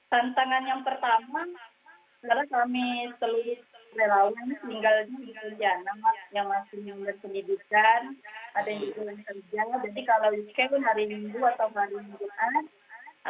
tantangan yang pertama